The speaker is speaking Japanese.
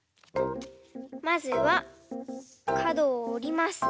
まずはかどをおります。